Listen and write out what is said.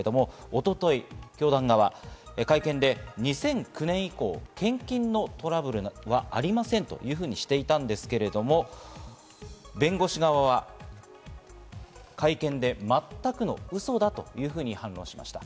一昨日、教団側が会見で２００９年以降、献金のトラブルはありませんというふうにしていたんですけれども、弁護士側は会見で全くのウソだというふうに反応しました。